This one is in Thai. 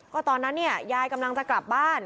ก็ตอนนั้นเนี่ยยายกำลังจะกลับบ้าน